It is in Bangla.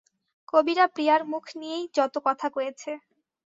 কবিরা প্রিয়ার মুখ নিয়েই যত কথা কয়েছে।